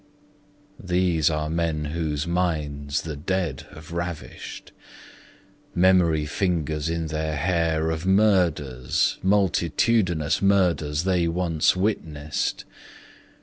These are men whose minds the Dead have ravished. Memory fingers in their hair of murders, Multitudinous murders they once witnessed.